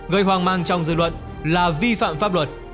gây hoang mang trong dư luận là vi phạm pháp luật